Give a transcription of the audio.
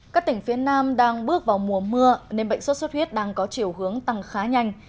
các tỉnh phía nam đang bước vào mùa mưa nên bệnh sốt xuất huyết đang có chiều hướng tăng khá nhanh